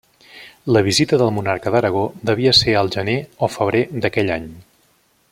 La visita del monarca d'Aragó devia ser al gener o febrer d'aquell any.